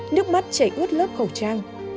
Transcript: nước mắt chảy ướt lớp khẩu trang